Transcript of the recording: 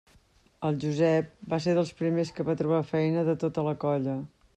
El Josep va ser dels primers que va trobar feina de tota la colla.